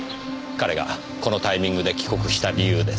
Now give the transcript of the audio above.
彼がこのタイミングで帰国した理由です。